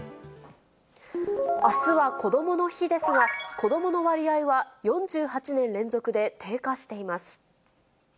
あすはこどもの日ですが、子どもの割合は４８年連続で低下しています。